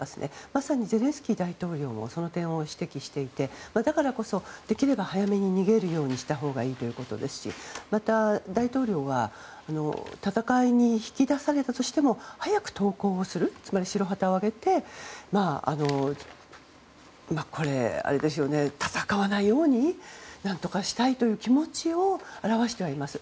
まさにゼレンスキー大統領もその点を指摘していてだからこそ、できれば早めに逃げるようにしたほうがいいということですしまた、大統領は戦いに引き出されたとしても早く投降をするつまり白旗を揚げて戦わないように何とかしたいという気持ちを表してはいます。